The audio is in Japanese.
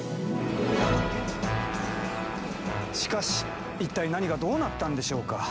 しかし一体何がどうなったんでしょうか？